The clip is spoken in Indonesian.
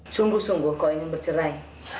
sungguh sungguh kau ingin bercerai